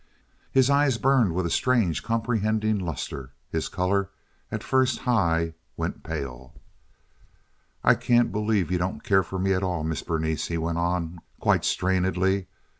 His eyes burned with a strange, comprehending luster; his color, at first high, went pale. "I can't believe you don't care for me at all, Miss Berenice," he went on, quite strainedly.